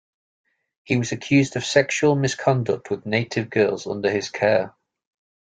He was accused of sexual misconduct with native girls under his care.